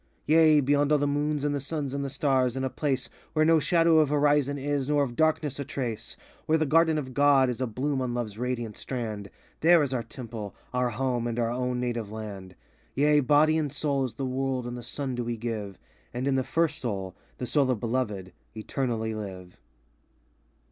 84 Yea, beyond all the moons and the suns ^ud the stars, in a place Where no shadow of horizon is, nor of darKness a trace, Where the Garden of God is a bloom on Love's radiant strand, There is our temple, our home, and our own native land. Yea, body and soul to the world and the sun do we give, And in the First Soul—the Soul of Beloved—eternally live.